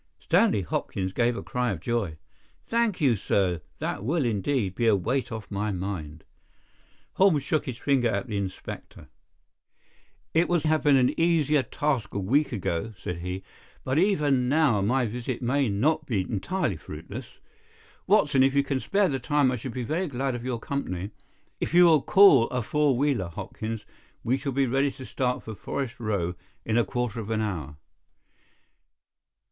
Stanley Hopkins gave a cry of joy. "Thank you, sir. That will, indeed, be a weight off my mind." Holmes shook his finger at the inspector. "It would have been an easier task a week ago," said he. "But even now my visit may not be entirely fruitless. Watson, if you can spare the time, I should be very glad of your company. If you will call a four wheeler, Hopkins, we shall be ready to start for Forest Row in a quarter of an hour."